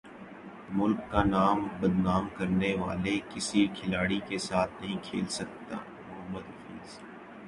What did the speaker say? ملک کا نام بدنام کرنے والے کسی کھلاڑی کے ساتھ نہیں کھیل سکتا محمد حفیظ